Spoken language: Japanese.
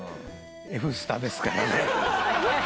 Ｆスタですよね。